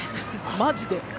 マジで。